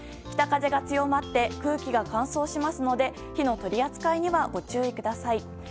北風が強まって空気が乾燥しますので火の取り扱いにはご注意ください。